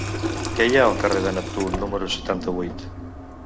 Què hi ha al carrer de Neptú número setanta-vuit?